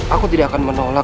aku tidak akan menolak